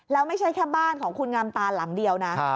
แล้วไม่ใช่แค่บ้านของคุณงามตาหลังเดียวนะ